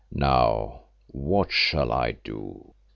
Now what shall I do?